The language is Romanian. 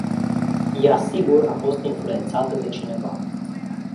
Ea sigur a fost influentata de cineva.